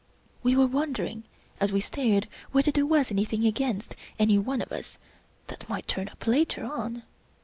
We were wondering, as we stared, whether there was an3rthing against any one of us that might turn up later on.